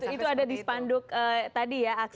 itu ada di spanduk tadi ya